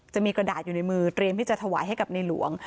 จะมีกระดาษอยู่ในมือเตรียมที่จะถวายให้กับในหลวง